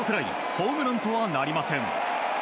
ホームランとはなりません。